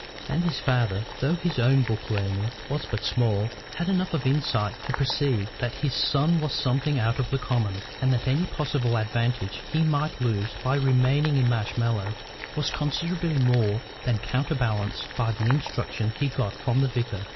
And his father, though his own book learning was but small, had enough of insight to perceive that his son was something out of the common, and that any possible advantage he might lose by remaining in Marshmallows was considerably more than counterbalanced by the instruction he got from the vicar.